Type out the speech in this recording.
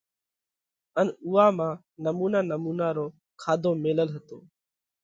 ان اُوئا مانه نمُونا نمُونا رو کاڌو ميلل هتو۔